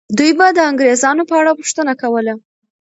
دوی به د انګریزانو په اړه پوښتنه کوله.